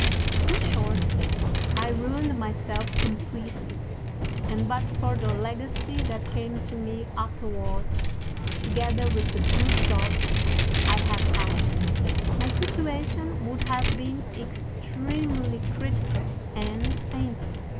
In short, I ruined myself completely; and but for the legacy that came to me afterwards, together with the good jobs I have had, my situation would have been extremely critical and painful.